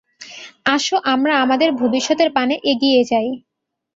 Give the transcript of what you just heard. আসো আমরা আমাদের ভবিষ্যতের পানে এগিয়ে যাই।